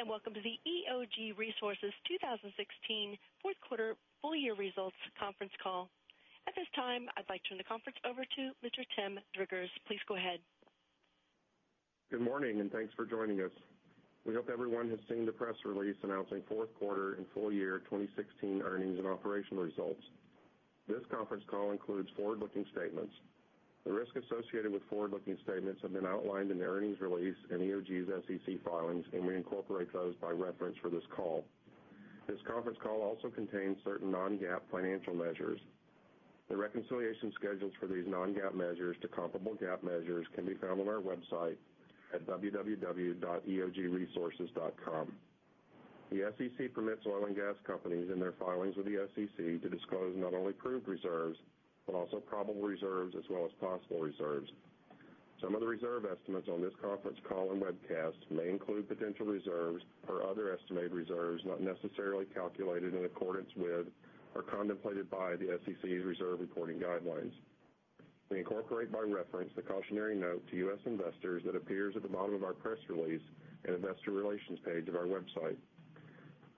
Good day, welcome to the EOG Resources 2016 fourth quarter full year results conference call. At this time, I'd like to turn the conference over to Mr. Tim Driggers. Please go ahead. Good morning, thanks for joining us. We hope everyone has seen the press release announcing fourth quarter and full year 2016 earnings and operational results. This conference call includes forward-looking statements. The risks associated with forward-looking statements have been outlined in the earnings release and EOG's SEC filings. We incorporate those by reference for this call. This conference call also contains certain non-GAAP financial measures. The reconciliation schedules for these non-GAAP measures to comparable GAAP measures can be found on our website at www.eogresources.com. The SEC permits oil and gas companies in their filings with the SEC to disclose not only proved reserves, also probable reserves as well as possible reserves. Some of the reserve estimates on this conference call and webcast may include potential reserves or other estimated reserves not necessarily calculated in accordance with or contemplated by the SEC's reserve reporting guidelines. We incorporate by reference the cautionary note to U.S. investors that appears at the bottom of our press release and investor relations page of our website.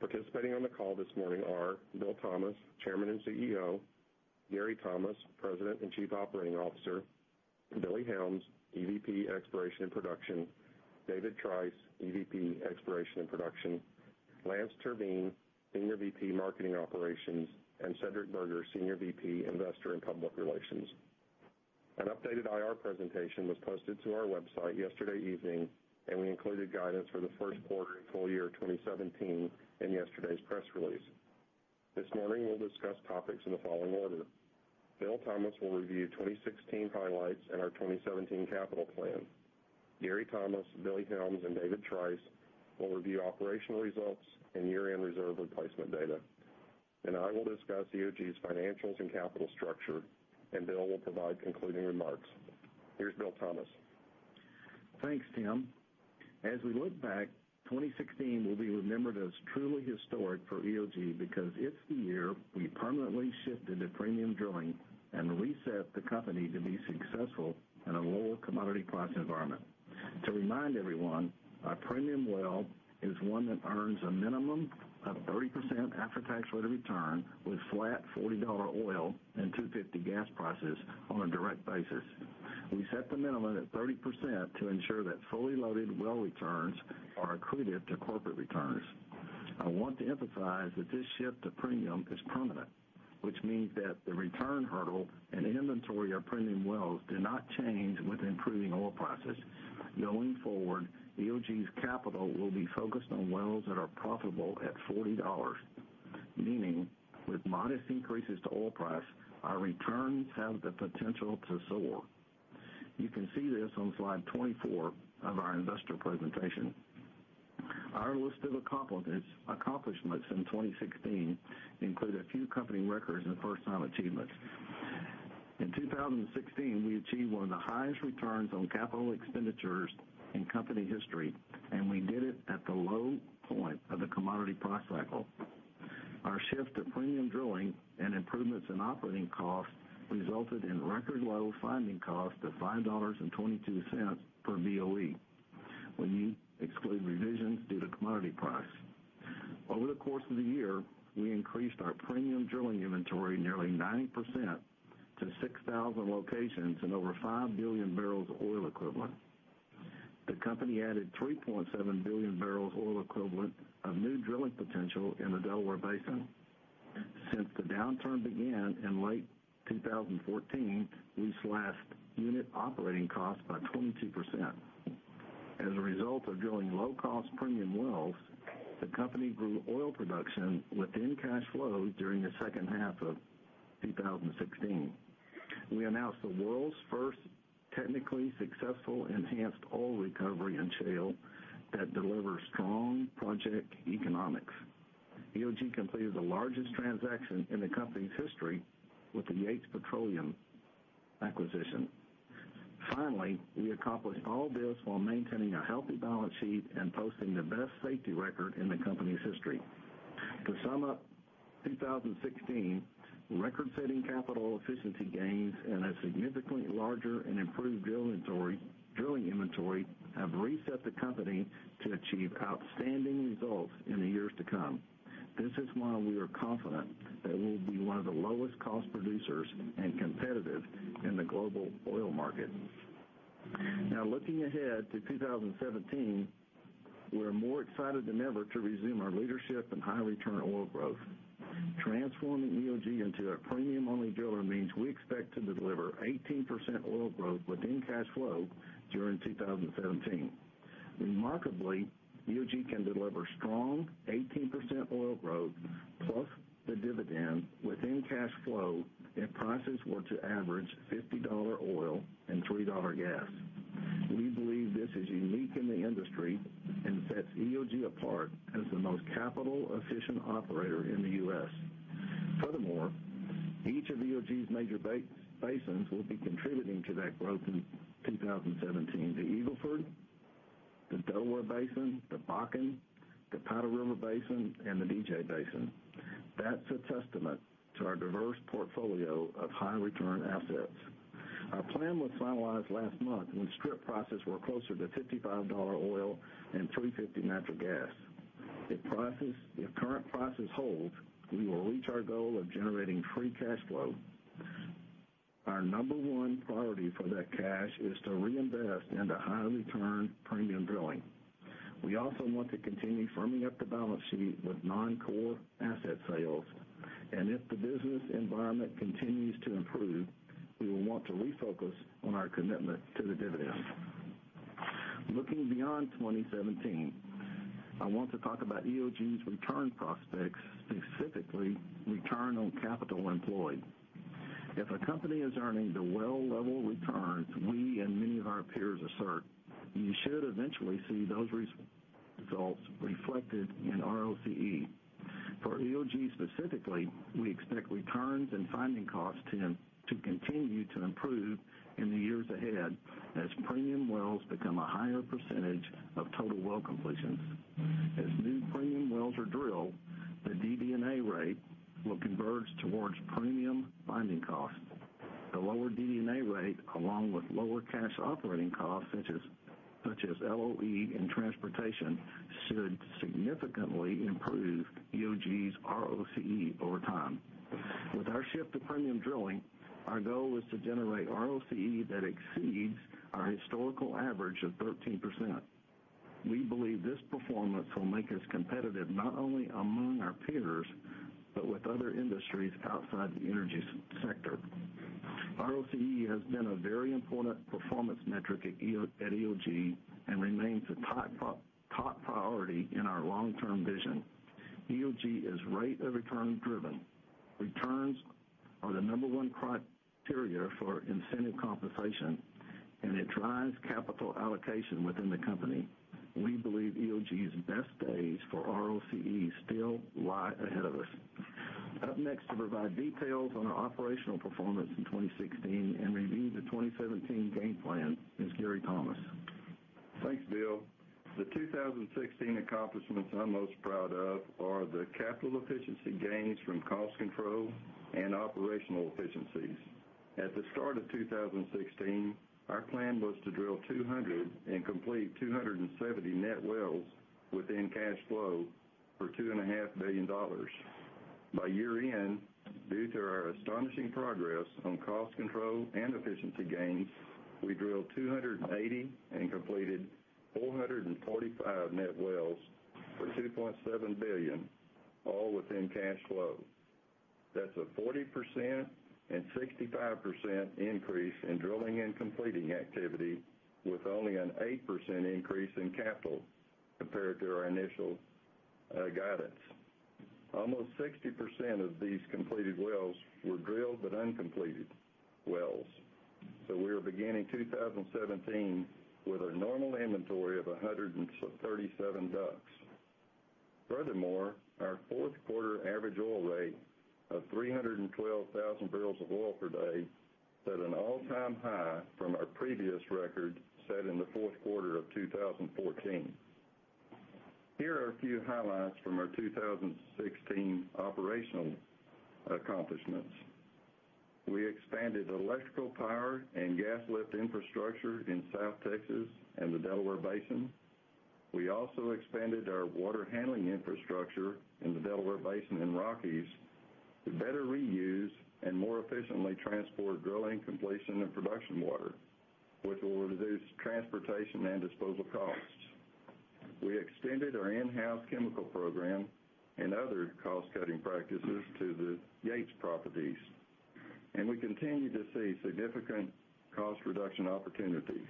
Participating on the call this morning are Bill Thomas, Chairman and Chief Executive Officer; Gary Thomas, President and Chief Operating Officer; Billy Helms, Executive Vice President, Exploration and Production; David Trice, Executive Vice President, Exploration and Production; D. Lance Terveen, Senior Vice President, Marketing Operations; Cedric W. Burgher, Senior Vice President, Investor and Public Relations. An updated IR presentation was posted to our website yesterday evening. We included guidance for the first quarter and full year 2017 in yesterday's press release. This morning, we'll discuss topics in the following order. Bill Thomas will review 2016 highlights and our 2017 capital plan. Gary Thomas, Billy Helms, David Trice will review operational results and year-end reserve replacement data. I will discuss EOG's financials and capital structure. Bill will provide concluding remarks. Here's Bill Thomas. Thanks, Tim. As we look back, 2016 will be remembered as truly historic for EOG because it's the year we permanently shifted to premium drilling and reset the company to be successful in a lower commodity price environment. To remind everyone, our premium well is one that earns a minimum of 30% after-tax rate of return with flat $40 oil and $2.50 gas prices on a direct basis. We set the minimum at 30% to ensure that fully loaded well returns are accretive to corporate returns. I want to emphasize that this shift to premium is permanent, which means that the return hurdle and inventory of premium wells do not change with improving oil prices. Going forward, EOG's capital will be focused on wells that are profitable at $40, meaning with modest increases to oil price, our returns have the potential to soar. You can see this on slide 24 of our investor presentation. Our list of accomplishments in 2016 include a few company records and first-time achievements. In 2016, we achieved one of the highest returns on capital expenditures in company history, and we did it at the low point of the commodity price cycle. Our shift to premium drilling and improvements in operating costs resulted in record low finding cost of $5.22 per BOE when you exclude revisions due to commodity price. Over the course of the year, we increased our premium drilling inventory nearly 90% to 6,000 locations and over 5 billion barrels oil equivalent. The company added 3.7 billion barrels oil equivalent of new drilling potential in the Delaware Basin. Since the downturn began in late 2014, we slashed unit operating costs by 22%. As a result of drilling low-cost premium wells, the company grew oil production within cash flow during the second half of 2016. We announced the world's first technically successful enhanced oil recovery in shale that delivers strong project economics. EOG completed the largest transaction in the company's history with the Yates Petroleum acquisition. Finally, we accomplished all this while maintaining a healthy balance sheet and posting the best safety record in the company's history. To sum up 2016, record-setting capital efficiency gains and a significantly larger and improved drilling inventory have reset the company to achieve outstanding results in the years to come. This is why we are confident that we'll be one of the lowest cost producers and competitive in the global oil market. Now looking ahead to 2017, we're more excited than ever to resume our leadership in high return oil growth. Transforming EOG into a premium-only driller means we expect to deliver 18% oil growth within cash flow during 2017. Remarkably, EOG can deliver strong 18% oil growth plus the dividend within cash flow if prices were to average $50 oil and $3 gas. We believe this is unique in the industry and sets EOG apart as the most capital-efficient operator in the U.S. Furthermore, each of EOG's major basins will be contributing to that growth in 2017, the Eagle Ford, the Delaware Basin, the Bakken, the Powder River Basin, and the DJ Basin. That's a testament to our diverse portfolio of high return assets. Our plan was finalized last month when strip prices were closer to $55 oil and $3.50 natural gas. If current prices hold, we will reach our goal of generating free cash flow. Our number one priority for that cash is to reinvest into high return premium drilling. We also want to continue firming up the balance sheet with non-core asset sales, and if the business environment continues to improve, we will want to refocus on our commitment to the dividend. Looking beyond 2017, I want to talk about EOG's return prospects, specifically return on capital employed. If a company is earning the well-level returns we and many of our peers assert, you should eventually see those results reflected in ROCE. For EOG specifically, we expect returns and finding costs to continue to improve in the years ahead as premium wells become a higher percentage of total well completions. As new premium wells are drilled, the DD&A rate will converge towards premium finding costs. The lower DD&A rate along with lower cash operating costs such as LOE and transportation should significantly improve EOG's ROCE over time. With our shift to premium drilling, our goal is to generate ROCE that exceeds our historical average of 13%. We believe this performance will make us competitive not only among our peers, but with other industries outside the energy sector. ROCE has been a very important performance metric at EOG and remains a top priority in our long-term vision. EOG is rate of return driven. Returns are the number one criteria for incentive compensation, and it drives capital allocation within the company. We believe EOG's best days for ROCE still lie ahead of us. Up next to provide details on our operational performance in 2016 and review the 2017 game plan is Gary Thomas. Thanks, Bill. The 2016 accomplishments I'm most proud of are the capital efficiency gains from cost control and operational efficiencies. At the start of 2016, our plan was to drill 200 and complete 270 net wells within cash flow for $2.5 billion. By year-end, due to our astonishing progress on cost control and efficiency gains, we drilled 280 and completed 445 net wells for $2.7 billion, all within cash flow. That's a 40% and 65% increase in drilling and completing activity with only an 8% increase in capital compared to our initial guidance. Almost 60% of these completed wells were drilled but uncompleted wells. We are beginning 2017 with a normal inventory of 137 DUCs. Furthermore, our fourth quarter average oil rate of 312,000 barrels of oil per day set an all-time high from our previous record set in the fourth quarter of 2014. Here are a few highlights from our 2016 operational accomplishments. We expanded electrical power and gas lift infrastructure in South Texas and the Delaware Basin. We also expanded our water handling infrastructure in the Delaware Basin and Rockies to better reuse and more efficiently transport drilling completion and production water, which will reduce transportation and disposal costs. We extended our in-house chemical program and other cost-cutting practices to the Yates properties, and we continue to see significant cost reduction opportunities.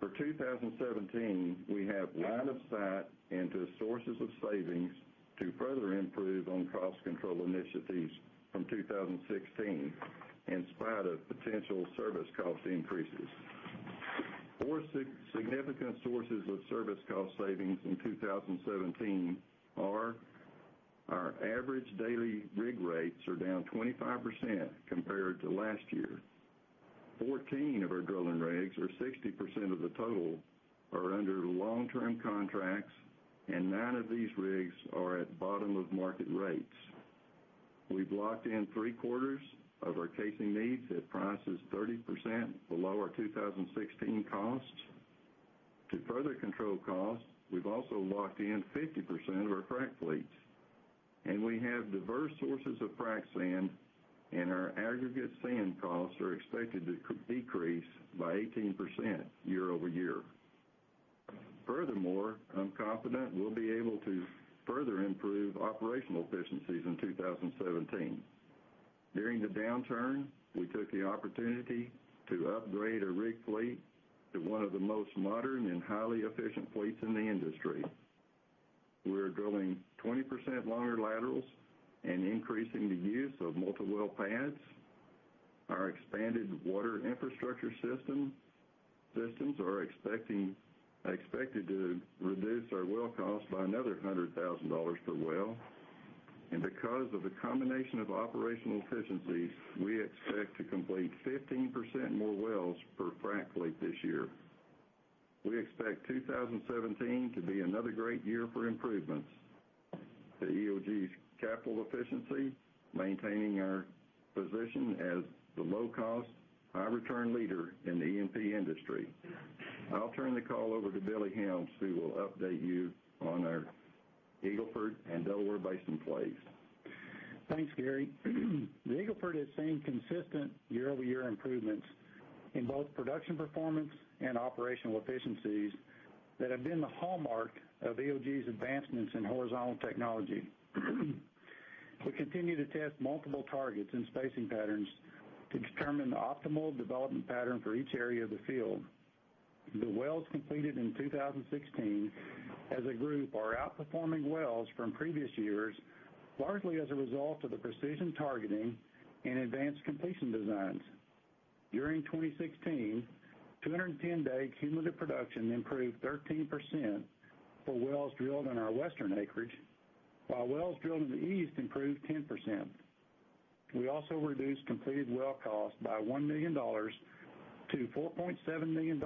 For 2017, we have line of sight into sources of savings to further improve on cost control initiatives from 2016 in spite of potential service cost increases. Four significant sources of service cost savings in 2017 are our average daily rig rates are down 25% compared to last year. 14 of our drilling rigs, or 60% of the total, are under long-term contracts, and nine of these rigs are at bottom of market rates. We've locked in three-quarters of our casing needs at prices 30% below our 2016 costs. To further control costs, we've also locked in 50% of our frac fleets, and we have diverse sources of frac sand, and our aggregate sand costs are expected to decrease by 18% year-over-year. Furthermore, I'm confident we'll be able to further improve operational efficiencies in 2017. During the downturn, we took the opportunity to upgrade our rig fleet to one of the most modern and highly efficient fleets in the industry. We're drilling 20% longer laterals and increasing the use of multi-well pads. Our expanded water infrastructure systems are expected to reduce our well cost by another $100,000 per well. Because of the combination of operational efficiencies, we expect to complete 15% more wells per frac fleet this year. We expect 2017 to be another great year for improvements. EOG's capital efficiency, maintaining our position as the low-cost, high-return leader in the E&P industry. I'll turn the call over to Billy Helms, who will update you on our Eagle Ford and Delaware Basin plays. Thanks, Gary. The Eagle Ford has seen consistent year-over-year improvements in both production performance and operational efficiencies that have been the hallmark of EOG's advancements in horizontal technology. We continue to test multiple targets and spacing patterns to determine the optimal development pattern for each area of the field. The wells completed in 2016 as a group are outperforming wells from previous years, largely as a result of the precision targeting and advanced completion designs. During 2016, 210-day cumulative production improved 13% for wells drilled in our western acreage, while wells drilled in the east improved 10%. We also reduced completed well costs by $1 million to $4.7 million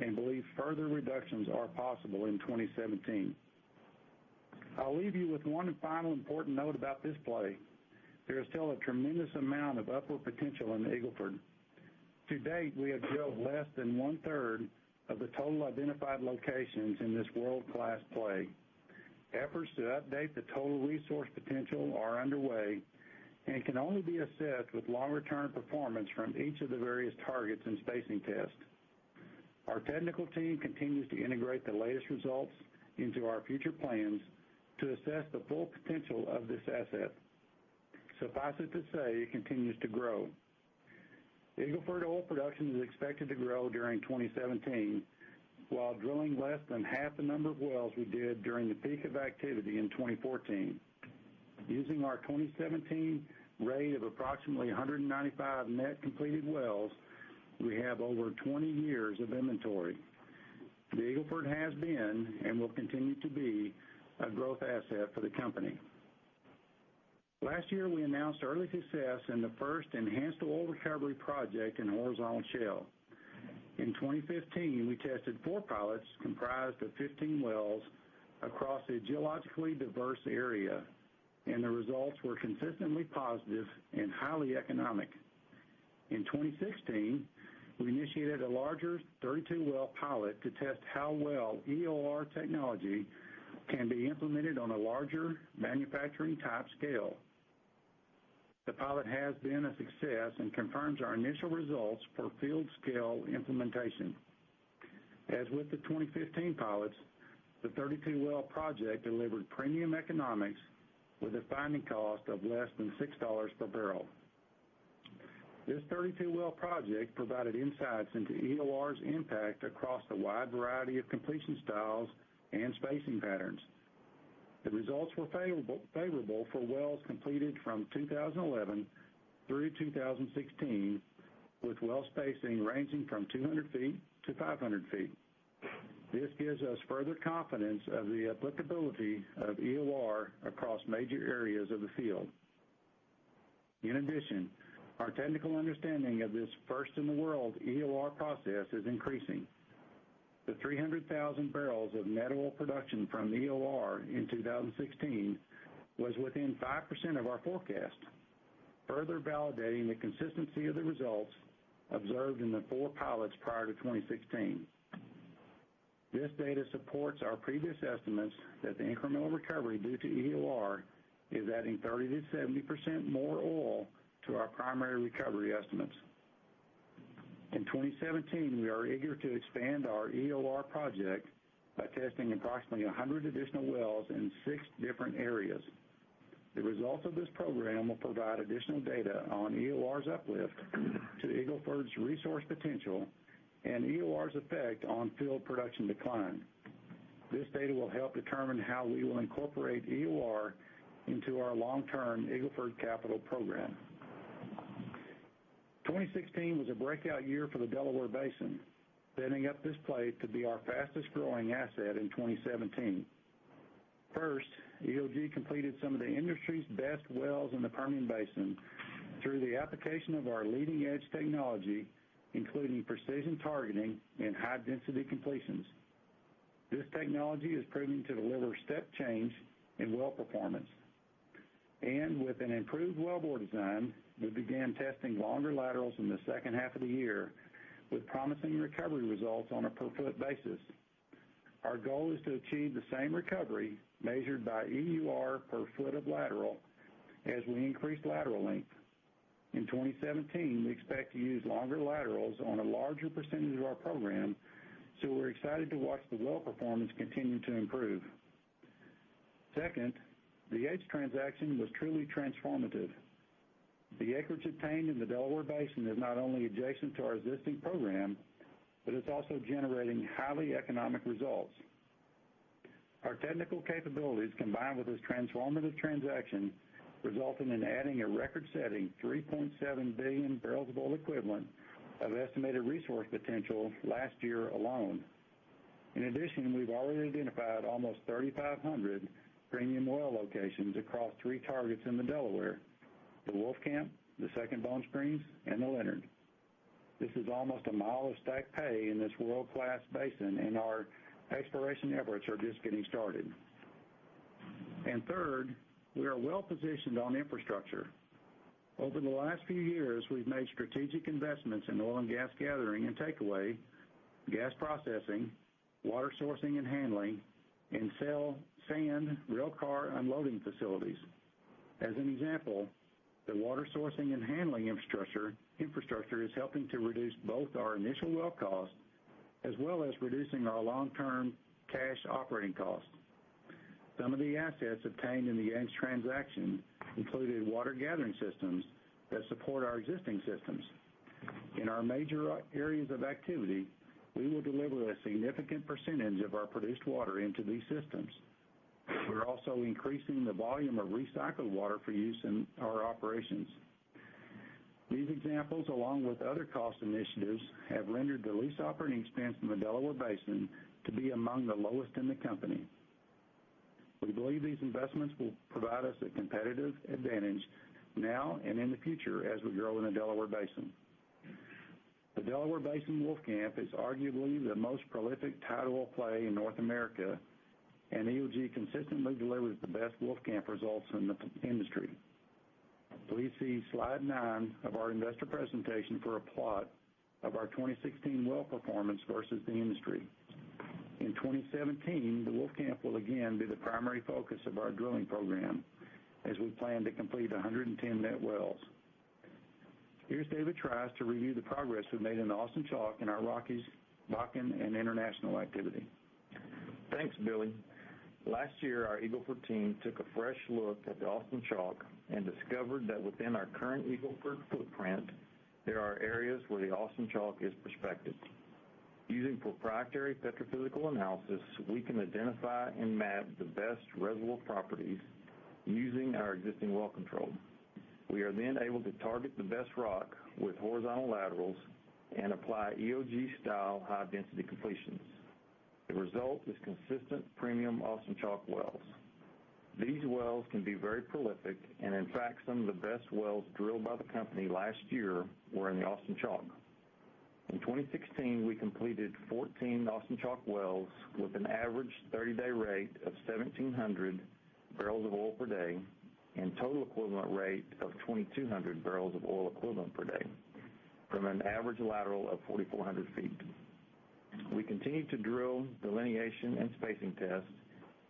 and believe further reductions are possible in 2017. I'll leave you with one final important note about this play. There is still a tremendous amount of upward potential in the Eagle Ford. To date, we have drilled less than one-third of the total identified locations in this world-class play. Efforts to update the total resource potential are underway and can only be assessed with longer-term performance from each of the various targets and spacing tests. Our technical team continues to integrate the latest results into our future plans to assess the full potential of this asset. Suffice it to say, it continues to grow. Eagle Ford oil production is expected to grow during 2017, while drilling less than half the number of wells we did during the peak of activity in 2014. Using our 2017 rate of approximately 195 net-completed wells, we have over 20 years of inventory. The Eagle Ford has been and will continue to be a growth asset for the company. Last year, we announced early success in the first enhanced oil recovery project in horizontal shale. In 2015, we tested four pilots comprised of 15 wells across a geologically diverse area, and the results were consistently positive and highly economic. In 2016, we initiated a larger 32-well pilot to test how well EOR technology can be implemented on a larger manufacturing-type scale. The pilot has been a success and confirms our initial results for field scale implementation. As with the 2015 pilots, the 32-well project delivered premium economics with a finding cost of less than $6 per barrel. This 32-well project provided insights into EOR's impact across a wide variety of completion styles and spacing patterns. The results were favorable for wells completed from 2011 through 2016, with well spacing ranging from 200 feet to 500 feet. This gives us further confidence of the applicability of EOR across major areas of the field. In addition, our technical understanding of this first-in-the-world EOR process is increasing. The 300,000 barrels of net oil production from EOR in 2016 was within 5% of our forecast, further validating the consistency of the results observed in the four pilots prior to 2016. This data supports our previous estimates that the incremental recovery due to EOR is adding 30%-70% more oil to our primary recovery estimates. In 2017, we are eager to expand our EOR project by testing approximately 100 additional wells in six different areas. The results of this program will provide additional data on EOR's uplift to Eagle Ford's resource potential and EOR's effect on field production decline. This data will help determine how we will incorporate EOR into our long-term Eagle Ford capital program. 2016 was a breakout year for the Delaware Basin, setting up this play to be our fastest-growing asset in 2017. First, EOG completed some of the industry's best wells in the Permian Basin through the application of our leading-edge technology, including precision targeting and high-density completions. This technology is proving to deliver step change in well performance. With an improved well bore design, we began testing longer laterals in the second half of the year with promising recovery results on a per-foot basis. Our goal is to achieve the same recovery measured by EUR per foot of lateral as we increase lateral length. In 2017, we expect to use longer laterals on a larger percentage of our program. We're excited to watch the well performance continue to improve. Second, the Yates transaction was truly transformative. The acreage obtained in the Delaware Basin is not only adjacent to our existing program, but it's also generating highly economic results. Our technical capabilities, combined with this transformative transaction, resulted in adding a record-setting 3.7 billion barrels of oil equivalent of estimated resource potential last year alone. In addition, we've already identified almost 3,500 premium well locations across three targets in the Delaware, the Wolfcamp, the Second Bone Springs, and the Leonard. This is almost a mile of stack pay in this world-class basin. Our exploration efforts are just getting started. Third, we are well-positioned on infrastructure. Over the last few years, we've made strategic investments in oil and gas gathering and takeaway, gas processing, water sourcing and handling, and sand railcar unloading facilities. As an example, the water sourcing and handling infrastructure is helping to reduce both our initial well cost as well as reducing our long-term cash operating costs. Some of the assets obtained in the ANH transaction included water gathering systems that support our existing systems. In our major areas of activity, we will deliver a significant percentage of our produced water into these systems. We're also increasing the volume of recycled water for use in our operations. These examples, along with other cost initiatives, have rendered the lease operating expense in the Delaware Basin to be among the lowest in the company. We believe these investments will provide us a competitive advantage now and in the future as we grow in the Delaware Basin. The Delaware Basin Wolfcamp is arguably the most prolific tight oil play in North America. EOG consistently delivers the best Wolfcamp results in the industry. Please see slide nine of our investor presentation for a plot of our 2016 well performance versus the industry. In 2017, the Wolfcamp will again be the primary focus of our drilling program, as we plan to complete 110 net wells. Here's David Trice to review the progress we've made in the Austin Chalk and our Rockies, Bakken, and international activity. Thanks, Billy. Last year, our Eagle Ford team took a fresh look at the Austin Chalk and discovered that within our current Eagle Ford footprint, there are areas where the Austin Chalk is prospective. Using proprietary petrophysical analysis, we can identify and map the best reservoir properties using our existing well control. We are then able to target the best rock with horizontal laterals and apply EOG-style high-density completions. The result is consistent premium Austin Chalk wells. These wells can be very prolific, and in fact, some of the best wells drilled by the company last year were in the Austin Chalk. In 2016, we completed 14 Austin Chalk wells with an average 30-day rate of 1,700 barrels of oil per day and total equivalent rate of 2,200 barrels of oil equivalent per day from an average lateral of 4,400 feet. We continue to drill delineation and spacing tests,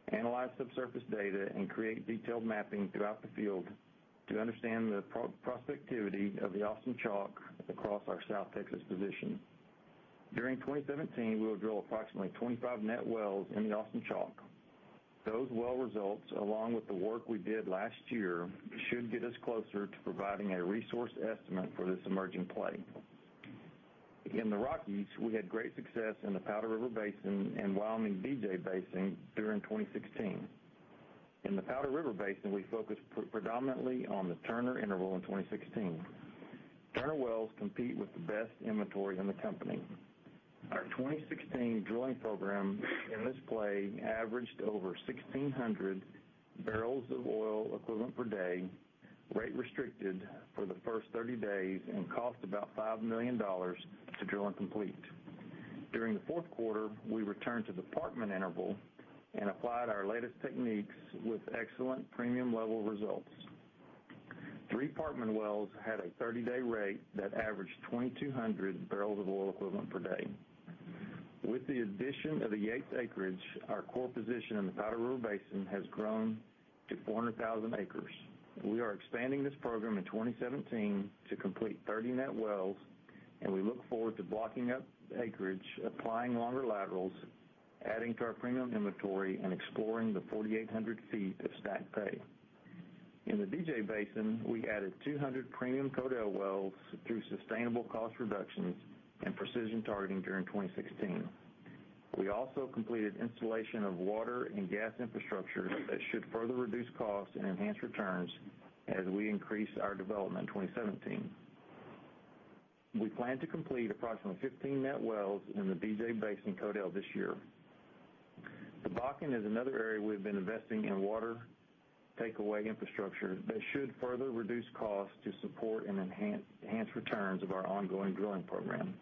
analyze subsurface data, and create detailed mapping throughout the field to understand the prospectivity of the Austin Chalk across our South Texas position. During 2017, we'll drill approximately 25 net wells in the Austin Chalk. Those well results, along with the work we did last year, should get us closer to providing a resource estimate for this emerging play. In the Rockies, we had great success in the Powder River Basin and Wyoming DJ Basin during 2016. In the Powder River Basin, we focused predominantly on the Turner interval in 2016. Turner wells compete with the best inventory in the company. Our 2016 drilling program in this play averaged over 1,600 barrels of oil equivalent per day, rate restricted for the first 30 days and cost about $5 million to drill and complete. During the fourth quarter, we returned to the Parkman interval and applied our latest techniques with excellent premium-level results. Three Parkman wells had a 30-day rate that averaged 2,200 barrels of oil equivalent per day. With the addition of the Yates acreage, our core position in the Powder River Basin has grown to 400,000 acres. We are expanding this program in 2017 to complete 30 net wells, and we look forward to blocking up the acreage, applying longer laterals, adding to our premium inventory, and exploring the 4,800 feet of stack pay. In the DJ Basin, we added 200 premium Codell wells through sustainable cost reductions and precision targeting during 2016. We also completed installation of water and gas infrastructure that should further reduce costs and enhance returns as we increase our development in 2017. We plan to complete approximately 15 net wells in the DJ Basin Codell this year. The Bakken is another area we've been investing in water takeaway infrastructure that should further reduce costs to support and enhance returns of our ongoing drilling program.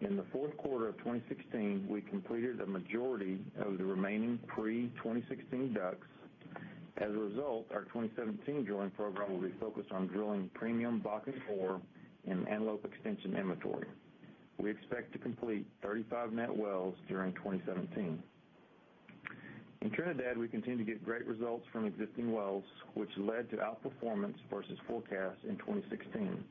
In the fourth quarter of 2016, we completed a majority of the remaining pre-2016 DUCs. As a result, our 2017 drilling program will be focused on drilling premium Bakken Core and Antelope extension inventory. We expect to complete 35 net wells during 2017. In Trinidad, we continue to get great results from existing wells, which led to outperformance versus forecasts in 2016.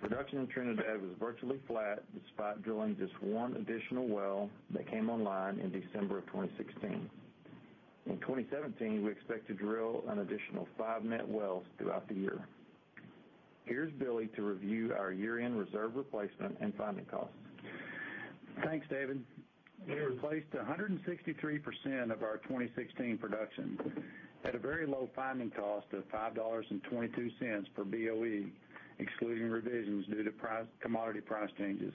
Production in Trinidad was virtually flat, despite drilling just one additional well that came online in December of 2016. In 2017, we expect to drill an additional five net wells throughout the year. Here's Billy to review our year-end reserve replacement and finding costs. Thanks, David. We replaced 163% of our 2016 production at a very low finding cost of $5.22 per BOE, excluding revisions due to commodity price changes.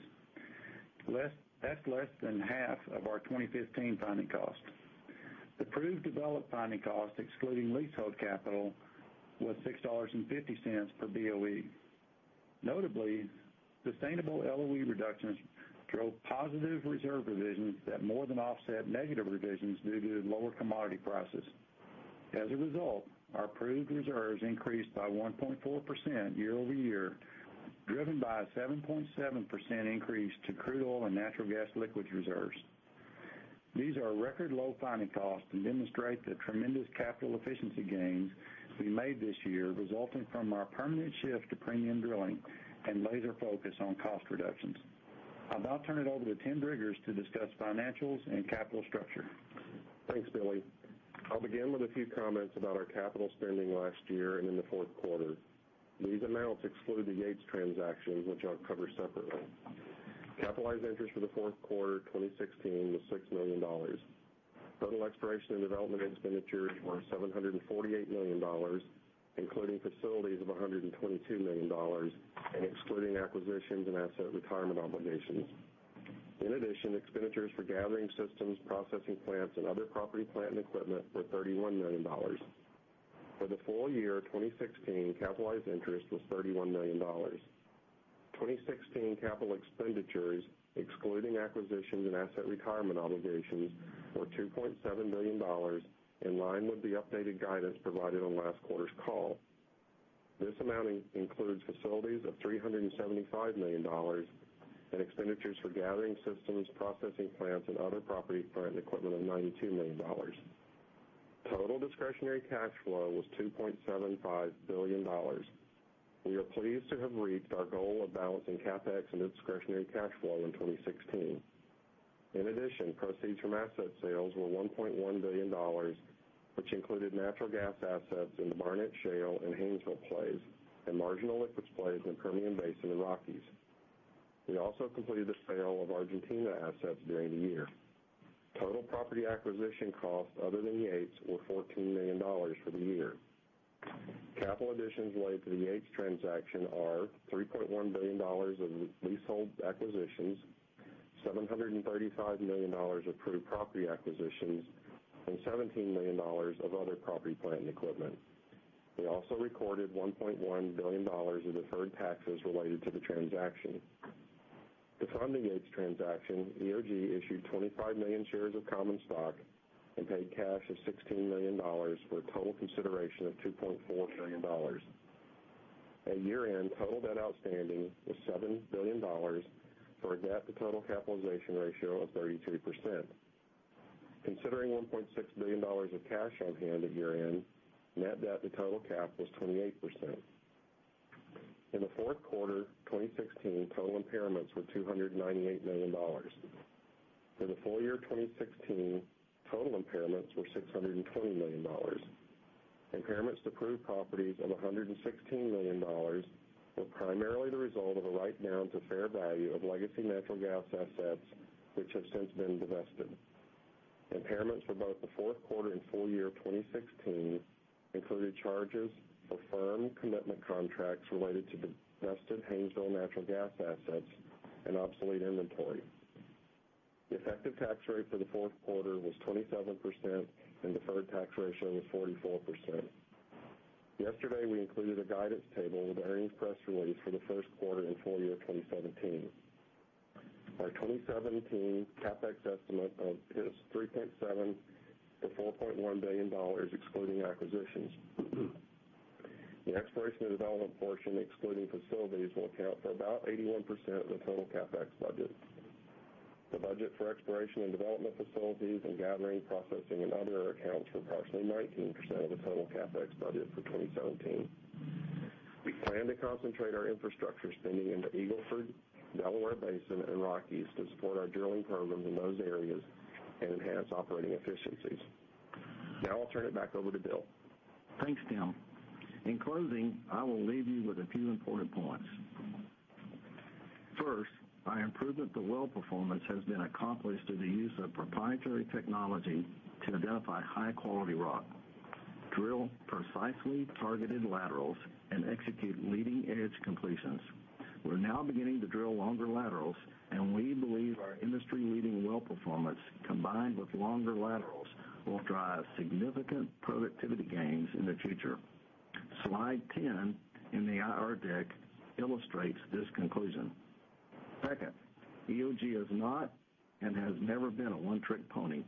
That's less than half of our 2015 finding cost. The proved developed finding cost, excluding leasehold capital, was $6.50 per BOE. Notably, sustainable LOE reductions drove positive reserve revisions that more than offset negative revisions due to lower commodity prices. As a result, our proved reserves increased by 1.4% year-over-year, driven by a 7.7% increase to crude oil and natural gas liquids reserves. These are record low finding costs and demonstrate the tremendous capital efficiency gains we made this year resulting from our permanent shift to premium drilling and laser focus on cost reductions. I'll now turn it over to Tim Driggers to discuss financials and capital structure. Thanks, Billy. I'll begin with a few comments about our capital spending last year and in the fourth quarter. These amounts exclude the Yates transaction, which I'll cover separately. Capitalized interest for the fourth quarter 2016 was $6 million. Total exploration and development expenditures were $748 million, including facilities of $122 million and excluding acquisitions and asset retirement obligations. In addition, expenditures for gathering systems, processing plants, and other property, plant, and equipment were $31 million. For the full year 2016, capitalized interest was $31 million. 2016 capital expenditures, excluding acquisitions and asset retirement obligations, were $2.7 billion, in line with the updated guidance provided on last quarter's call. This amount includes facilities of $375 million and expenditures for gathering systems, processing plants, and other property, plant, and equipment of $92 million. Total discretionary cash flow was $2.75 billion. We are pleased to have reached our goal of balancing CapEx and discretionary cash flow in 2016. In addition, proceeds from asset sales were $1.1 billion, which included natural gas assets in the Barnett Shale and Haynesville plays and marginal liquids plays in Permian Basin and Rockies. We also completed the sale of Argentina assets during the year. Total property acquisition costs other than Yates were $14 million for the year. Capital additions related to the Yates transaction are $3.1 billion of leasehold acquisitions, $735 million of proved property acquisitions, and $17 million of other property, plant, and equipment. We also recorded $1.1 billion of deferred taxes related to the transaction. To fund the Yates transaction, EOG issued 25 million shares of common stock and paid cash of $16 million for a total consideration of $2.4 billion. At year-end, total debt outstanding was $7 billion, for a net-to-total capitalization ratio of 33%. Considering $1.6 billion of cash on hand at year-end, net debt to total cap was 28%. In the fourth quarter 2016, total impairments were $298 million. In the full year 2016, total impairments were $620 million. Impairments to proved properties of $116 million were primarily the result of a write-down to fair value of legacy natural gas assets, which have since been divested. Impairments for both the fourth quarter and full year 2016 included charges for firm commitment contracts related to divested Haynesville natural gas assets and obsolete inventory. The effective tax rate for the fourth quarter was 27%, and deferred tax ratio was 44%. Yesterday, we included a guidance table with earnings press release for the first quarter and full year 2017. Our 2017 CapEx estimate is $3.7 billion to $4.1 billion, excluding acquisitions. The exploration and development portion, excluding facilities, will account for about 81% of the total CapEx budget. The budget for exploration and development facilities and gathering, processing, and other accounts for approximately 19% of the total CapEx budget for 2017. We plan to concentrate our infrastructure spending in the Eagle Ford, Delaware Basin, and Rockies to support our drilling programs in those areas and enhance operating efficiencies. Now I'll turn it back over to Bill. Thanks, Tim. In closing, I will leave you with a few important points. First, our improvement to well performance has been accomplished through the use of proprietary technology to identify high-quality rock, drill precisely targeted laterals, and execute leading-edge completions. We're now beginning to drill longer laterals, and we believe our industry-leading well performance, combined with longer laterals, will drive significant productivity gains in the future. Slide 10 in the IR deck illustrates this conclusion. Second, EOG is not and has never been a one-trick pony.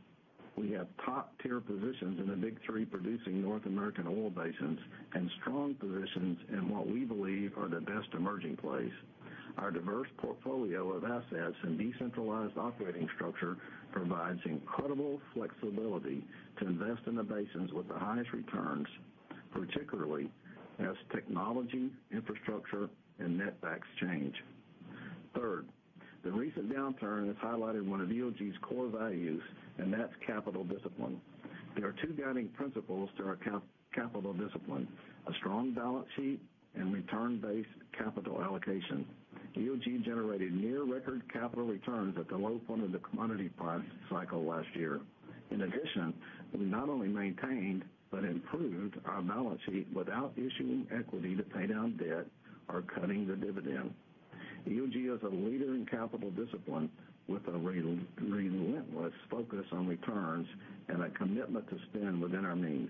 We have top-tier positions in the big three producing North American oil basins and strong positions in what we believe are the best emerging plays. Our diverse portfolio of assets and decentralized operating structure provides incredible flexibility to invest in the basins with the highest returns, particularly as technology, infrastructure, and netbacks change. Third, the recent downturn has highlighted one of EOG's core values, and that's capital discipline. There are two guiding principles to our capital discipline: a strong balance sheet and return-based capital allocation. EOG generated near record capital returns at the low point of the commodity price cycle last year. In addition, we not only maintained, but improved our balance sheet without issuing equity to pay down debt or cutting the dividend. EOG is a leader in capital discipline with a relentless focus on returns and a commitment to spend within our means.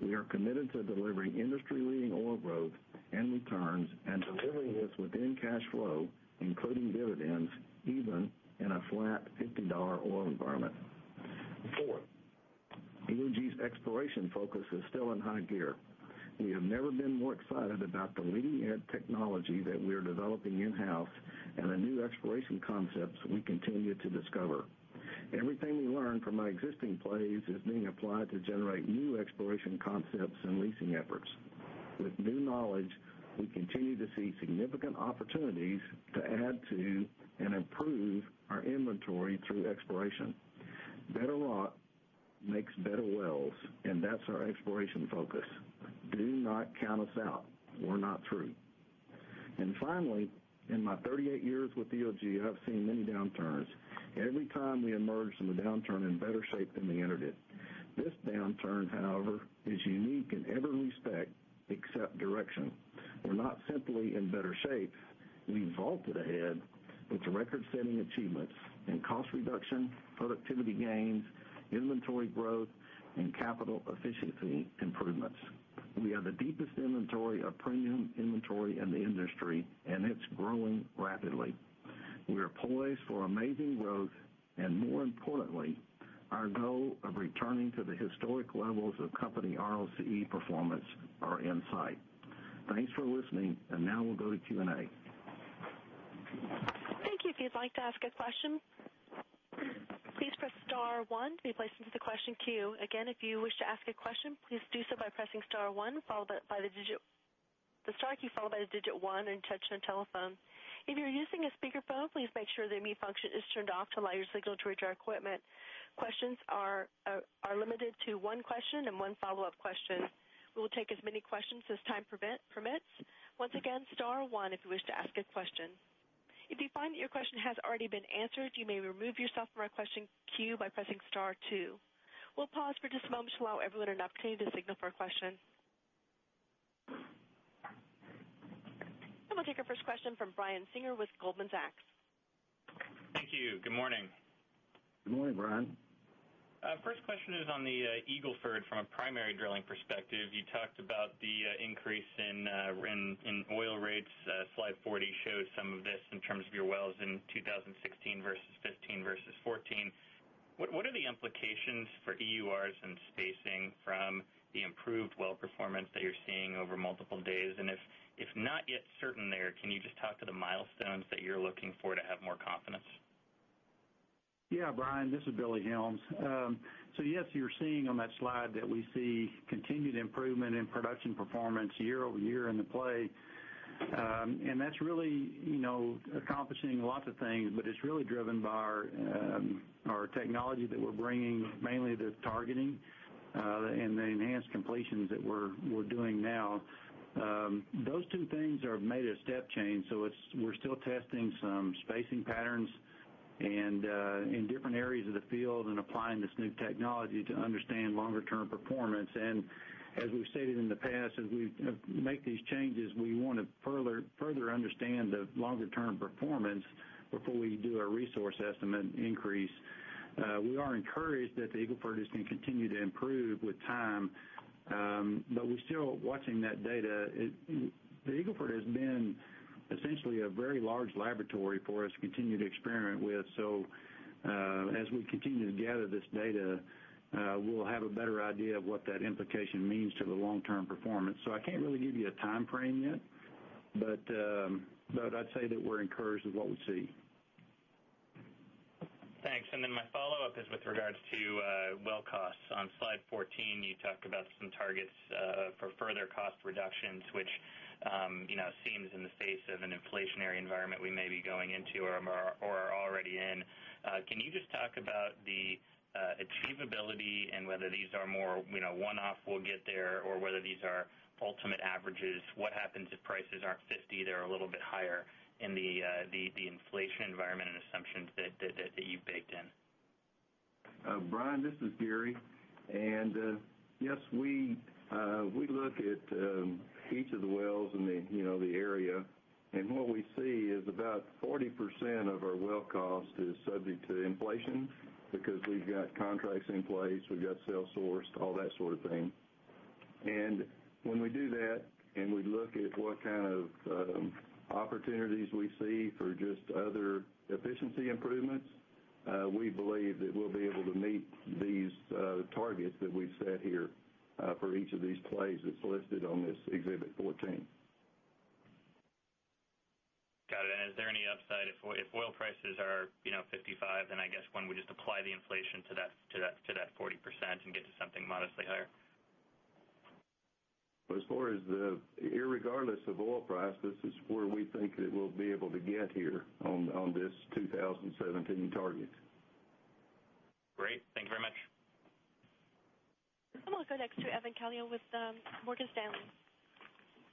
We are committed to delivering industry-leading oil growth and returns and delivering this within cash flow, including dividends, even in a flat $50 oil environment. Fourth, EOG's exploration focus is still in high gear. We have never been more excited about the leading-edge technology that we're developing in-house and the new exploration concepts we continue to discover. Everything we learn from our existing plays is being applied to generate new exploration concepts and leasing efforts. With new knowledge, we continue to see significant opportunities to add to and improve our inventory through exploration. Better rock makes better wells, and that's our exploration focus. Do not count us out. We're not through. Finally, in my 38 years with EOG, I've seen many downturns. Every time, we emerge from the downturn in better shape than we entered it. This downturn, however, is unique in every respect except direction. We're not simply in better shape. We've vaulted ahead with record-setting achievements in cost reduction, productivity gains, inventory growth, and capital efficiency improvements. We have the deepest inventory of premium inventory in the industry, and it's growing rapidly. We are poised for amazing growth, more importantly, our goal of returning to the historic levels of company ROCE performance are in sight. Thanks for listening, now we'll go to Q&A. Thank you. If you'd like to ask a question, please press star one to be placed into the question queue. Again, if you wish to ask a question, please do so by pressing star one, followed by the digit one and touch your telephone. If you're using a speakerphone, please make sure the mute function is turned off to allow your signal to reach our equipment. Questions are limited to one question and one follow-up question. We will take as many questions as time permits. Once again, star one if you wish to ask a question. If you find that your question has already been answered, you may remove yourself from our question queue by pressing star two. We'll pause for just a moment to allow everyone an opportunity to signal for a question. I'm going to take our first question from Brian Singer with Goldman Sachs. Thank you. Good morning. Good morning, Brian. First question is on the Eagle Ford from a primary drilling perspective. You talked about the increase in oil rates. Slide 40 shows some of this in terms of your wells in 2016 versus '15 versus '14. What are the implications for EURs and spacing from the improved well performance that you're seeing over multiple days? If not yet certain there, can you just talk to the milestones that you're looking for to have more confidence? Yeah, Brian. This is Billy Helms. Yes, you're seeing on that slide that we see continued improvement in production performance year-over-year in the play. That's really accomplishing lots of things, but it's really driven by our technology that we're bringing, mainly the targeting, and the enhanced completions that we're doing now. Those two things have made a step change. We're still testing some spacing patterns and in different areas of the field and applying this new technology to understand longer-term performance. As we've stated in the past, as we make these changes, we want to further understand the longer-term performance before we do a resource estimate increase. We are encouraged that the Eagle Ford is going to continue to improve with time, but we're still watching that data. The Eagle Ford has been essentially a very large laboratory for us to continue to experiment with. As we continue to gather this data, we'll have a better idea of what that implication means to the long-term performance. I can't really give you a timeframe yet, but I'd say that we're encouraged with what we see. Thanks. Then my follow-up is with regards to well costs. On slide 14, you talked about some targets for further cost reductions, which seems in the face of an inflationary environment we may be going into or are already in. Can you just talk about the achievability and whether these are more one-off, we'll get there, or whether these are ultimate averages? What happens if prices aren't 50, they're a little bit higher in the inflation environment and assumptions that you've baked in? Brian, this is Gary. Yes, we look at each of the wells in the area, and what we see is about 40% of our well cost is subject to inflation because we've got contracts in place, we've got self-sourced, all that sort of thing. When we do that and we look at what kind of opportunities we see for just other efficiency improvements, we believe that we'll be able to meet these targets that we've set here for each of these plays that's listed on this exhibit 14. Got it. Is there any upside? If oil prices are 55, then I guess one would just apply the inflation to that 40% and get to something modestly higher. Irregardless of oil price, this is where we think that we'll be able to get here on this 2017 target. Great. Thank you very much. I'm going to go next to Evan Calio with Morgan Stanley.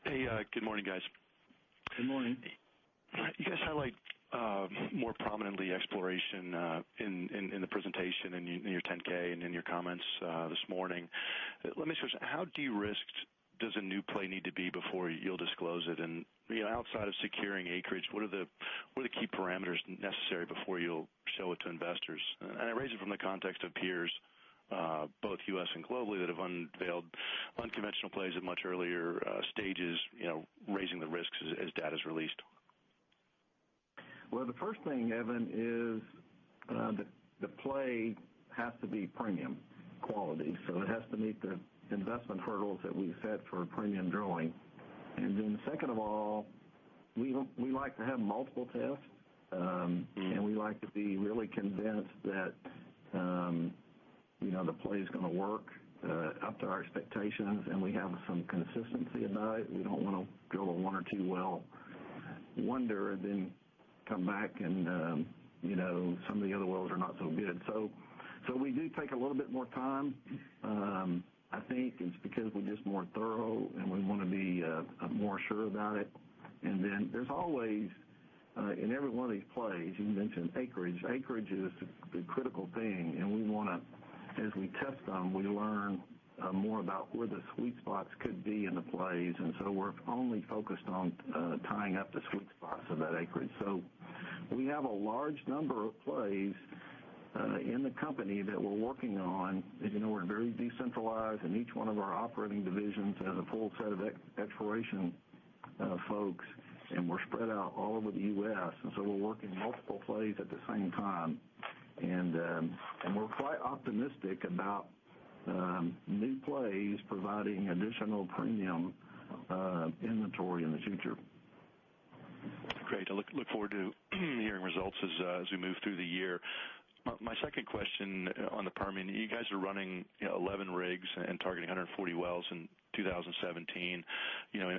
Hey, good morning, guys. Good morning. You guys highlight more prominently exploration in the presentation, in your 10-K, and in your comments this morning. Let me ask you this, how de-risked does a new play need to be before you'll disclose it? Outside of securing acreage, what are the key parameters necessary before you'll show it to investors? I raise it from the context of peers, both U.S. and globally, that have unveiled unconventional plays at much earlier stages, raising the risks as data's released. Well, the first thing, Evan, is the play has to be premium quality. It has to meet the investment hurdles that we've set for premium drilling. Second of all, we like to have multiple tests, and we like to be really convinced that the play is going to work up to our expectations and we have some consistency about it. We don't want to drill a one or two well wonder, and then come back and some of the other wells are not so good. We do take a little bit more time. I think it's because we're just more thorough, and we want to be more sure about it. There's always, in every one of these plays, you mentioned acreage. Acreage is the critical thing, and as we test them, we learn more about where the sweet spots could be in the plays. We're only focused on tying up the sweet spots of that acreage. We have a large number of plays in the company that we're working on. As you know, we're very decentralized, and each one of our operating divisions has a full set of exploration folks, and we're spread out all over the U.S., we're working multiple plays at the same time. We're quite optimistic about new plays providing additional premium inventory in the future. Great. I look forward to hearing results as we move through the year. My second question on the Permian, you guys are running 11 rigs and targeting 140 wells in 2017.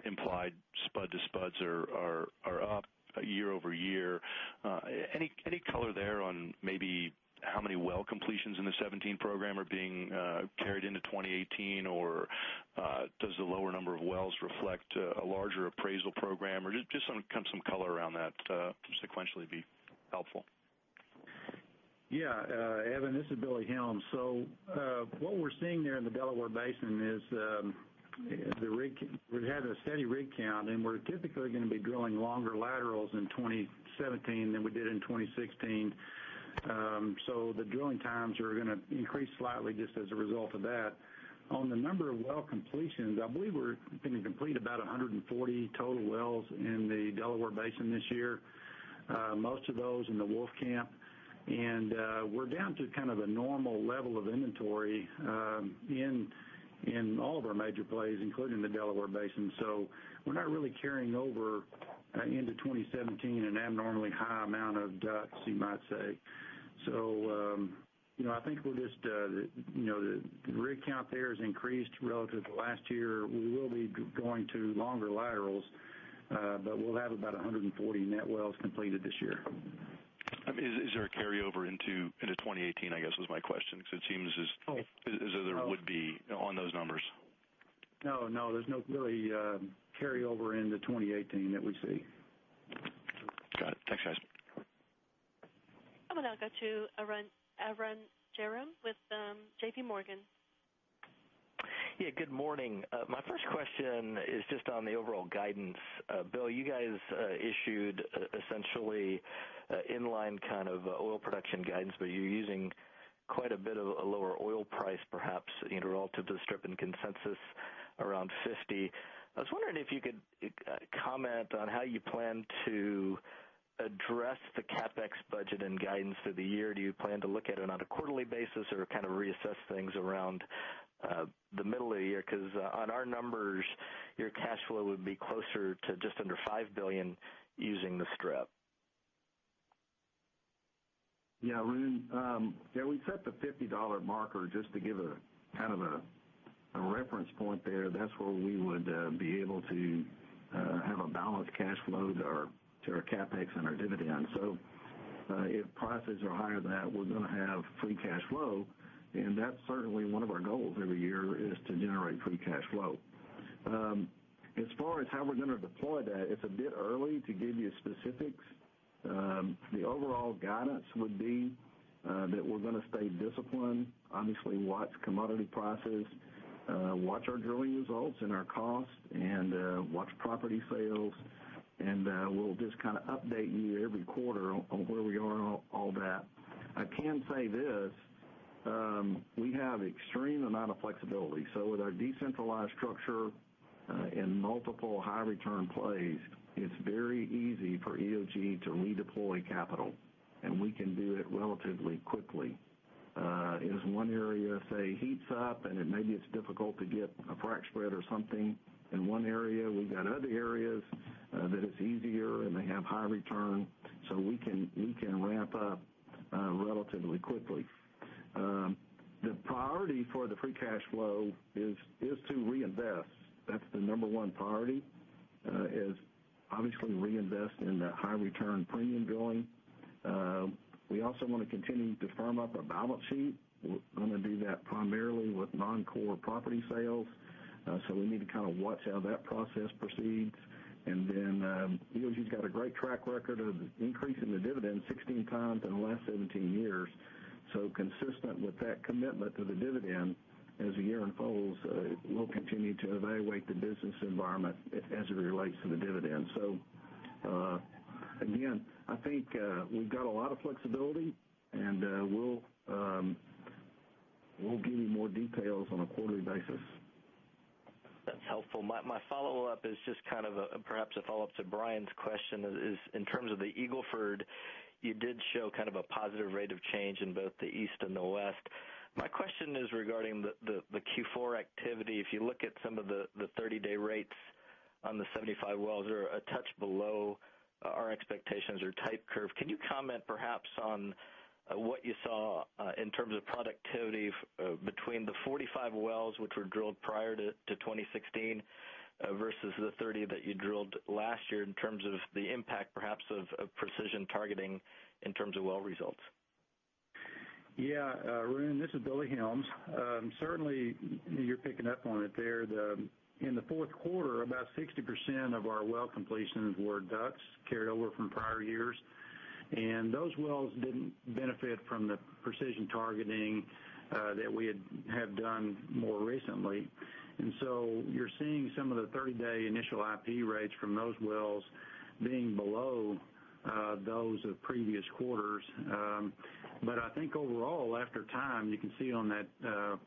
Implied spud to spuds are up year-over-year. Any color there on maybe how many well completions in the 2017 program are being carried into 2018? Does the lower number of wells reflect a larger appraisal program? Just some color around that to sequentially be helpful. Yeah. Evan, this is Billy Helms. What we're seeing there in the Delaware Basin is we've had a steady rig count, and we're typically going to be drilling longer laterals in 2017 than we did in 2016. The drilling times are going to increase slightly just as a result of that. On the number of well completions, I believe we're going to complete about 140 total wells in the Delaware Basin this year. Most of those in the Wolfcamp. We're down to kind of a normal level of inventory in all of our major plays, including the Delaware Basin. We're not really carrying over into 2017 an abnormally high amount of DUCs, you might say. I think the rig count there has increased relative to last year. We will be going to longer laterals, but we'll have about 140 net wells completed this year. Is there a carryover into 2018, I guess, was my question, because it seems as though there would be on those numbers. No, there's no really carry over into 2018 that we see. Got it. Thanks, guys. I'm now going to Arun Jayaram with J.P. Morgan. Good morning. My first question is just on the overall guidance. Bill, you guys issued essentially inline kind of oil production guidance, but you're using quite a bit of a lower oil price, perhaps relative to strip and consensus around $50. I was wondering if you could comment on how you plan to address the CapEx budget and guidance through the year. Do you plan to look at it on a quarterly basis or kind of reassess things around the middle of the year? Because on our numbers, your cash flow would be closer to just under $5 billion using the strip. Arun. We set the $50 marker just to give a kind of a reference point there. That's where we would be able to have a balanced cash flow to our CapEx and our dividend. If prices are higher than that, we're going to have free cash flow, that's certainly one of our goals every year is to generate free cash flow. As far as how we're going to deploy that, it's a bit early to give you specifics. The overall guidance would be that we're going to stay disciplined, obviously watch commodity prices, watch our drilling results and our cost, watch property sales, we'll just update you every quarter on where we are on all that. I can say this, we have extreme amount of flexibility. With our decentralized structure in multiple high return plays, it's very easy for EOG to redeploy capital, and we can do it relatively quickly. If one area, say, heats up, and it maybe is difficult to get a frac spread or something in one area, we've got other areas that it's easier, and they have high return, we can ramp up relatively quickly. The priority for the free cash flow is to reinvest. That's the number one priority is obviously reinvest in the high return premium drilling. We also want to continue to firm up our balance sheet. We're going to do that primarily with non-core property sales. We need to kind of watch how that process proceeds. EOG's got a great track record of increasing the dividend 16 times in the last 17 years. Consistent with that commitment to the dividend, as the year unfolds, we'll continue to evaluate the business environment as it relates to the dividend. Again, I think we've got a lot of flexibility, and we'll give you more details on a quarterly basis. That's helpful. My follow-up is just perhaps a follow-up to Brian's question is, in terms of the Eagle Ford, you did show a positive rate of change in both the east and the west. My question is regarding the Q4 activity. If you look at some of the 30-day rates on the 75 wells, they're a touch below our expectations or type curve. Can you comment perhaps on what you saw in terms of productivity between the 45 wells, which were drilled prior to 2016, versus the 30 that you drilled last year in terms of the impact, perhaps, of precision targeting in terms of well results? Yeah. Arun, this is Billy Helms. Certainly, you're picking up on it there. In the fourth quarter, about 60% of our well completions were DUCs carried over from prior years, and those wells didn't benefit from the precision targeting that we have done more recently. You're seeing some of the 30-day initial IP rates from those wells being below those of previous quarters. I think overall, after time, you can see on that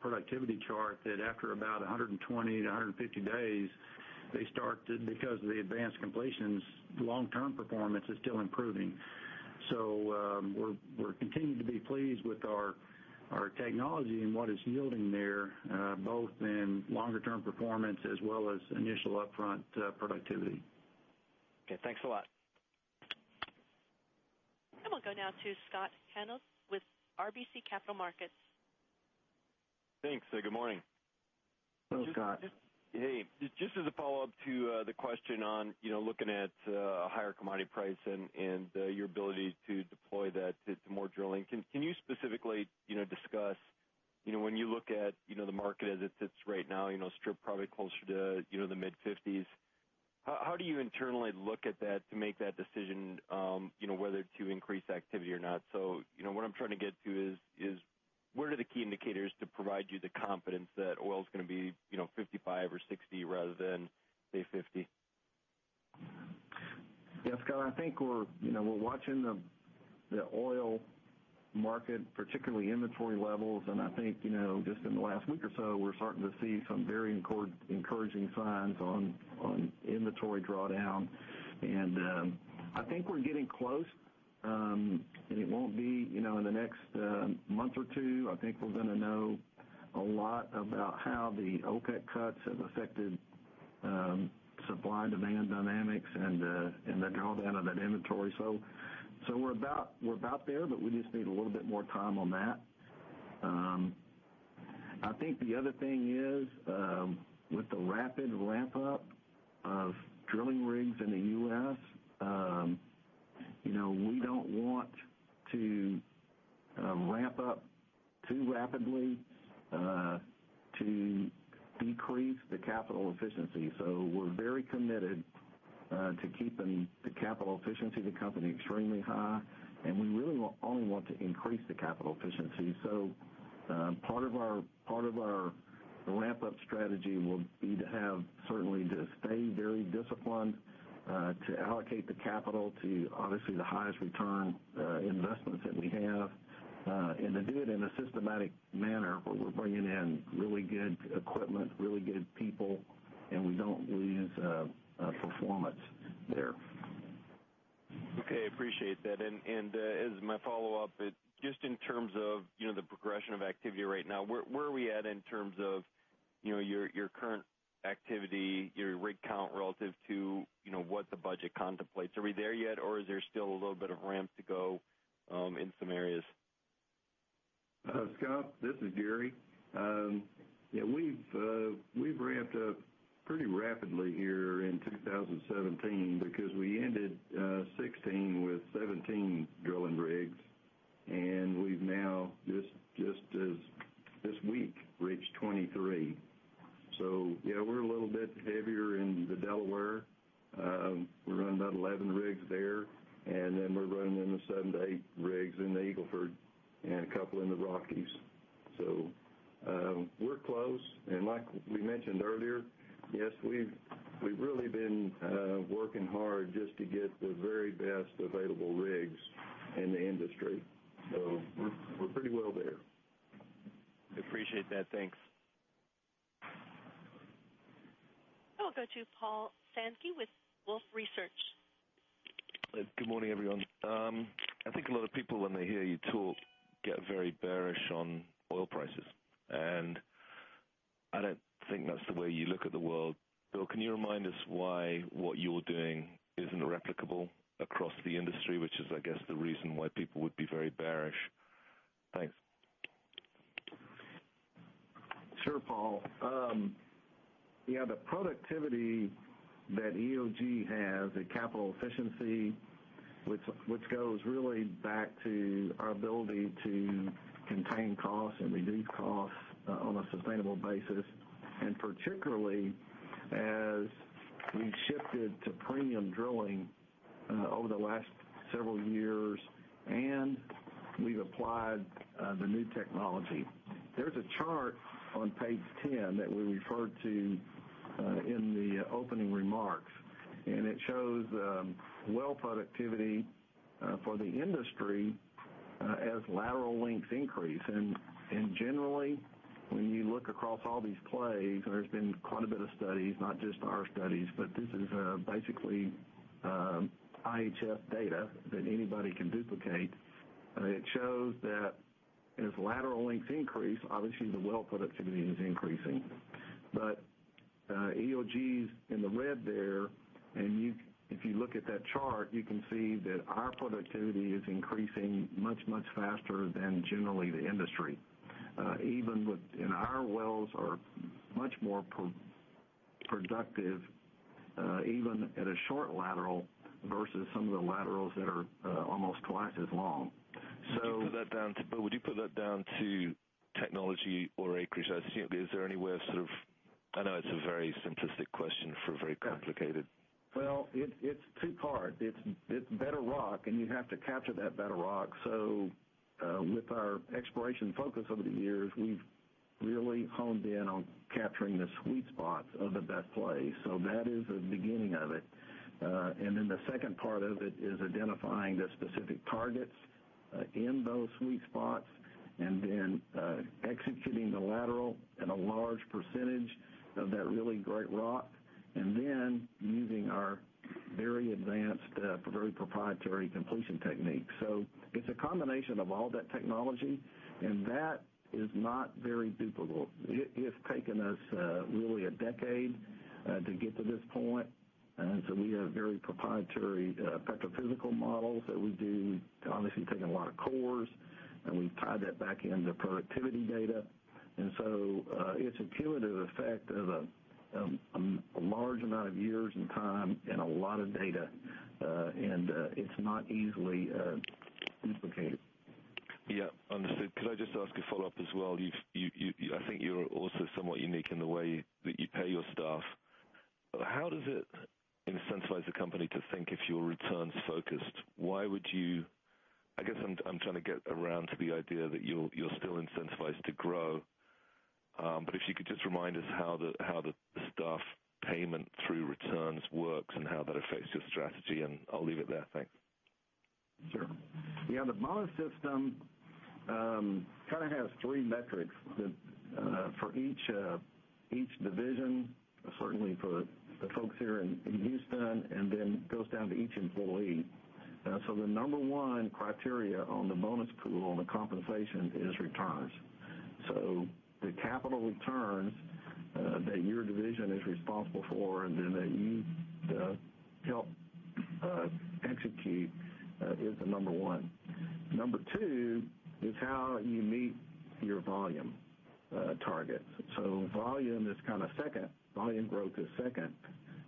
productivity chart that after about 120 to 150 days, because of the advanced completions, long-term performance is still improving. We're continuing to be pleased with our technology and what it's yielding there, both in longer-term performance as well as initial upfront productivity. Okay. Thanks a lot. I will go now to Scott Hanold with RBC Capital Markets. Thanks. Good morning. Hello, Scott. Hey. Just as a follow-up to the question on looking at a higher commodity price and your ability to deploy that to more drilling. Can you specifically discuss when you look at the market as it sits right now, strip probably closer to the mid-$50s, how do you internally look at that to make that decision whether to increase activity or not? What I'm trying to get to is what are the key indicators to provide you the confidence that oil's going to be $55 or $60 rather than, say, $50? Yeah, Scott. I think we're watching the oil market, particularly inventory levels, and I think just in the last week or so, we're starting to see some very encouraging signs on inventory drawdown. I think we're getting close. It won't be in the next month or two, I think we're going to know a lot about how the OPEC cuts have affected supply and demand dynamics and the drawdown of that inventory. We're about there, but we just need a little bit more time on that. I think the other thing is with the rapid ramp-up of drilling rigs in the U.S., we don't want to ramp up too rapidly to decrease the capital efficiency. We're very committed to keeping the capital efficiency of the company extremely high, and we really only want to increase the capital efficiency. Part of our ramp-up strategy will be to have certainly to stay very disciplined to allocate the capital to obviously the highest return investments that we have, and to do it in a systematic manner where we're bringing in really good equipment, really good people, and we don't lose performance there. Okay. Appreciate that. As my follow-up, just in terms of the progression of activity right now, where are we at in terms of your current activity, your rig count relative to what the budget contemplates? Are we there yet, or is there still a little bit of ramp to go in some areas? Scott, this is Gary. We've ramped up pretty rapidly here in 2017 because we ended 2016 with 17 drilling rigs, and we've now, just this week, reached 23. We're a little bit heavier in the Delaware. We're running about 11 rigs there, and then we're running in the 7 to 8 rigs in the Eagle Ford and a couple in the Rockies. We're close, and like we mentioned earlier, yes, we've really been working hard just to get the very best available rigs in the industry. We're pretty well there. Appreciate that. Thanks. I'll go to Paul Sankey with Wolfe Research. Good morning, everyone. I think a lot of people when they hear you talk get very bearish on oil prices, and I don't think that's the way you look at the world. Bill, can you remind us why what you're doing isn't replicable across the industry, which is, I guess the reason why people would be very bearish? Thanks. Sure, Paul. Yeah, the productivity that EOG has, the capital efficiency, which goes really back to our ability to contain costs and reduce costs on a sustainable basis, and particularly as we shifted to premium drilling Over the last several years, and we've applied the new technology. There's a chart on page 10 that we referred to in the opening remarks, and it shows well productivity for the industry as lateral lengths increase. Generally, when you look across all these plays, there's been quite a bit of studies, not just our studies, but this is basically IHS data that anybody can duplicate. It shows that as lateral lengths increase, obviously the well productivity is increasing. EOG's in the red there, and if you look at that chart, you can see that our productivity is increasing much, much faster than generally the industry. Our wells are much more productive, even at a short lateral versus some of the laterals that are almost twice as long. Would you put that down to technology or acreage? I know it's a very simplistic question for a very complicated- Well, it's two-part. It's better rock and you have to capture that better rock. With our exploration focus over the years, we've really honed in on capturing the sweet spots of the best plays. That is the beginning of it. Then the second part of it is identifying the specific targets in those sweet spots and then executing the lateral and a large percentage of that really great rock, and then using our very advanced, very proprietary completion techniques. It's a combination of all that technology, and that is not very duplicable. It has taken us really a decade to get to this point. We have very proprietary petrophysical models that we do, obviously taking a lot of cores, and we've tied that back into productivity data. It's a cumulative effect of a large amount of years and time and a lot of data. It's not easily duplicated. Yeah. Understood. Could I just ask a follow-up as well? I think you're also somewhat unique in the way that you pay your staff. How does it incentivize the company to think if you're returns focused? I guess I'm trying to get around to the idea that you're still incentivized to grow. If you could just remind us how the staff payment through returns works and how that affects your strategy, and I'll leave it there. Thanks. Sure. Yeah, the bonus system kind of has three metrics for each division, certainly for the folks here in Houston, and then goes down to each employee. The number one criteria on the bonus pool, on the compensation, is returns. The capital returns that your division is responsible for and then that you help execute is the number one. Number two is how you meet your volume targets. Volume is kind of second. Volume growth is second,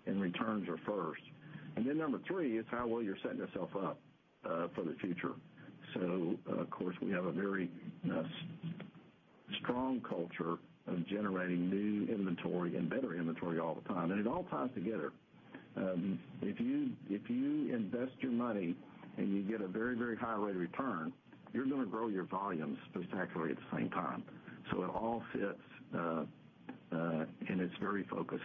and returns are first. Number three is how well you're setting yourself up for the future. Of course, we have a very strong culture of generating new inventory and better inventory all the time, and it all ties together. If you invest your money and you get a very high rate of return, you're going to grow your volumes spectacularly at the same time. It all fits, and it's very focused.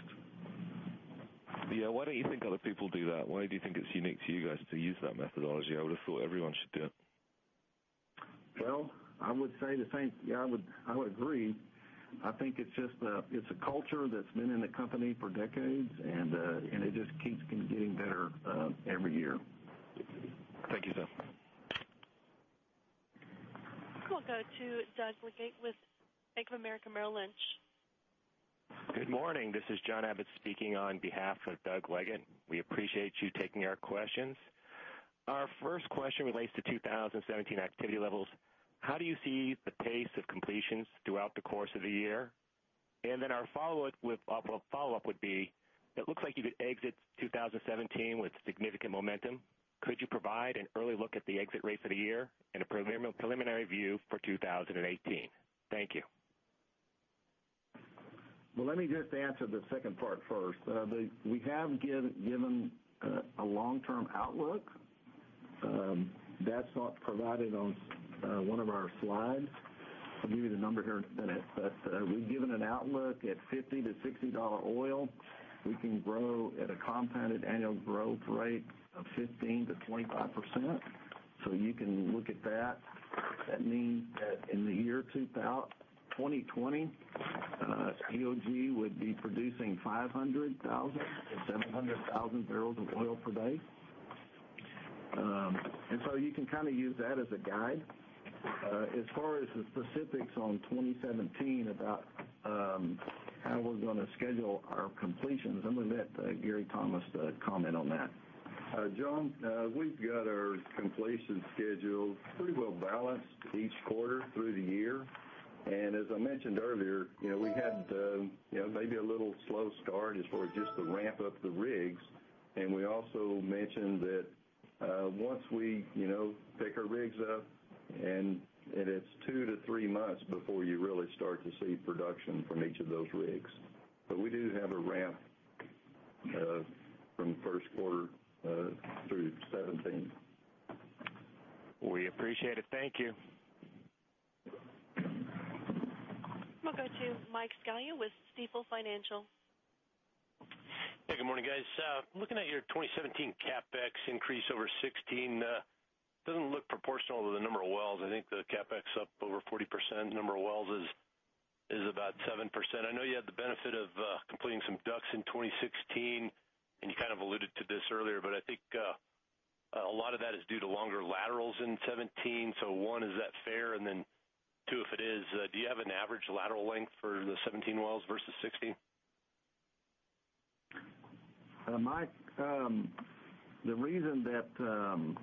Yeah. Why don't you think other people do that? Why do you think it's unique to you guys to use that methodology? I would have thought everyone should do it. Well, I would agree. I think it's a culture that's been in the company for decades, and it just keeps getting better every year. Thank you, sir. We'll go to Douglas Leggate with Bank of America Merrill Lynch. Good morning. This is John Abbott speaking on behalf of Douglas Leggate. We appreciate you taking our questions. Our first question relates to 2017 activity levels. How do you see the pace of completions throughout the course of the year? Our follow-up would be, it looks like you could exit 2017 with significant momentum. Could you provide an early look at the exit rates of the year and a preliminary view for 2018? Thank you. Well, let me just answer the second part first. We have given a long-term outlook. That's not provided on one of our slides. I'll give you the number here in a minute. We've given an outlook at $50-$60 oil. We can grow at a compounded annual growth rate of 15%-25%. You can look at that. That means that in the year 2020, EOG would be producing 500,000-700,000 barrels of oil per day. You can kind of use that as a guide. As far as the specifics on 2017 about how we're going to schedule our completions, I'm going to let Gary Thomas comment on that. John, we've got our completion schedule pretty well balanced each quarter through the year. As I mentioned earlier, we had maybe a little slow start as far as just the ramp up the rigs. We also mentioned that once we pick our rigs up, it's two to three months before you really start to see production from each of those rigs. We do have a ramp from first quarter through 2017. We appreciate it. Thank you. We'll go to Mike Scialla with Stifel Financial. Hey, good morning, guys. Looking at your 2017 CapEx increase over 2016, it doesn't look proportional to the number of wells. I think the CapEx up over 40%, number of wells is about 7%. I know you had the benefit of completing some DUCs in 2016, and you kind of alluded to this earlier, I think a lot of that is due to longer laterals in 2017. One, is that fair? Two, if it is, do you have an average lateral length for the 2017 wells versus 2016? Mike, the reason that the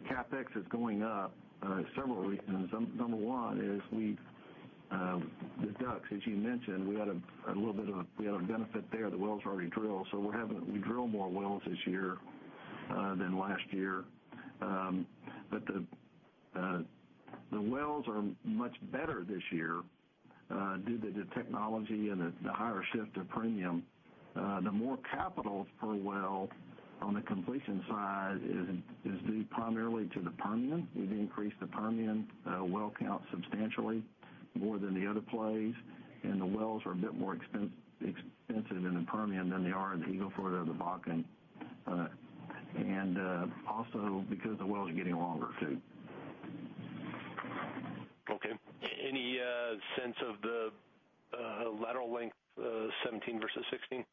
CapEx is going up, several reasons. Number one is the DUCs, as you mentioned, we had a benefit there. The well's already drilled, we drilled more wells this year than last year. The wells are much better this year due to the technology and the higher shift of premium. The more capital per well on the completion side is due primarily to the Permian. We've increased the Permian well count substantially more than the other plays, and the wells are a bit more expensive in the Permian than they are in the Eagle Ford or the Bakken. Also because the wells are getting longer, too. Okay. Any sense of the lateral length 2017 versus 2016?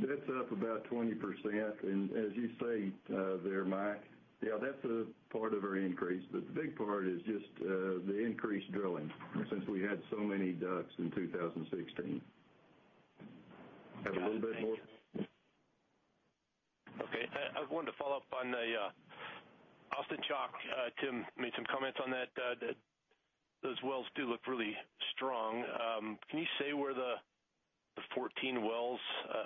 That's up about 20%. As you say there, Mike, that's a part of our increase. The big part is just the increased drilling since we had so many DUCs in 2016. Have a little bit more? Got it. Thanks. Okay. I wanted to follow up on the Austin Chalk. Tim made some comments on that. Those wells do look really strong. Can you say where the 14 wells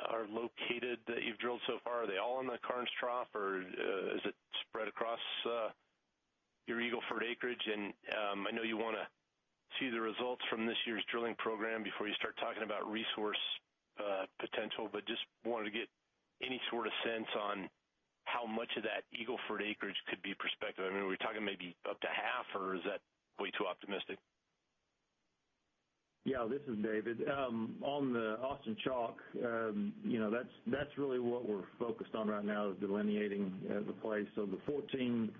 are located that you've drilled so far? Are they all in the Karnes Trough, or is it spread across your Eagle Ford acreage? I know you want to see the results from this year's drilling program before you start talking about resource potential, just wanted to get any sort of sense on how much of that Eagle Ford acreage could be prospective. Are we talking maybe up to half, or is that way too optimistic? Yeah. This is David. On the Austin Chalk, that's really what we're focused on right now, is delineating the play. The 14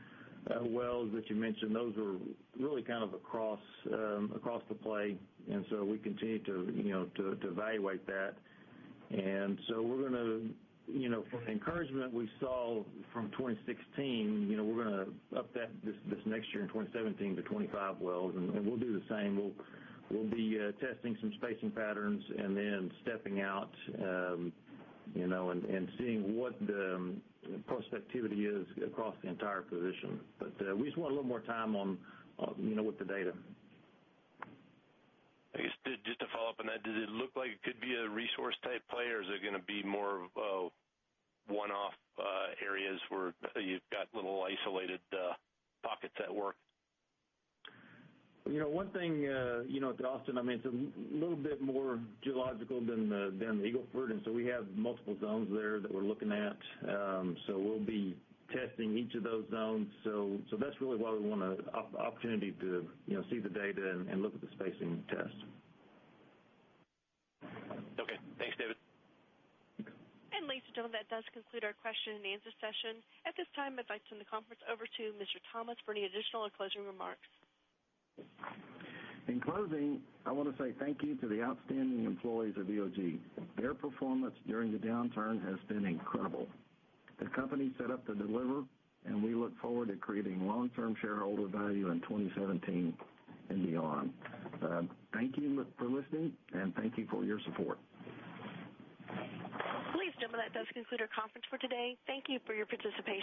wells that you mentioned, those are really kind of across the play. We continue to evaluate that. From the encouragement we saw from 2016, we're going to up that this next year in 2017 to 25 wells, we'll do the same. We'll be testing some spacing patterns then stepping out, seeing what the prospectivity is across the entire position. We just want a little more time with the data. I guess, just to follow up on that, does it look like it could be a resource type play, or is it going to be more of a one-off areas where you've got little isolated pockets that work? One thing at the Austin, it's a little bit more geological than the Eagle Ford. We have multiple zones there that we're looking at. We'll be testing each of those zones. That's really why we want an opportunity to see the data and look at the spacing test. Okay. Thanks, David. Ladies and gentlemen, that does conclude our question and answer session. At this time, I'd like to turn the conference over to Mr. Thomas for any additional or closing remarks. In closing, I want to say thank you to the outstanding employees of EOG. Their performance during the downturn has been incredible. The company's set up to deliver. We look forward to creating long-term shareholder value in 2017 and beyond. Thank you for listening. Thank you for your support. Ladies and gentlemen, that does conclude our conference for today. Thank you for your participation.